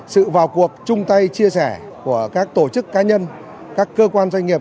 sự vào cuộc chung tay chia sẻ của các tổ chức cá nhân các cơ quan doanh nghiệp